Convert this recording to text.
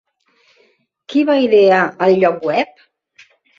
Qui va idear el lloc web?